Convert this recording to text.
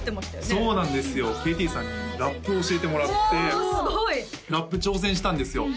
そうなんですよＫＴさんにラップを教えてもらってラップ挑戦したんですよ